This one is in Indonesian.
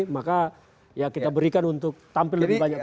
maka ya kita berikan untuk tampil lebih banyak